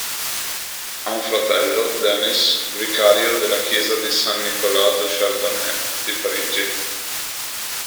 Ha un fratello, Denis, vicario della chiesa di Saint-Nicolas-du-Chardonnet di Parigi.